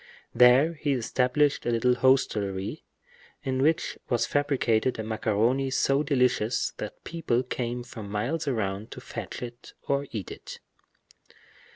There he established a little hostelry, in which was fabricated a macaroni so delicious that people came from miles round to fetch it or eat it.